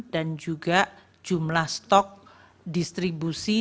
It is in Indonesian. dan juga jumlah stok distribusi